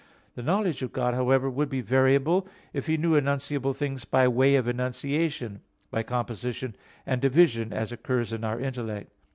The knowledge of God, however, would be variable if He knew enunciable things by way of enunciation, by composition and division, as occurs in our intellect.